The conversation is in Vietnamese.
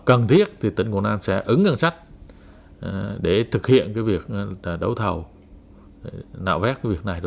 cần thiết thì tỉnh quảng nam sẽ ứng ngân sách để thực hiện việc đấu thầu nạo vét cái việc này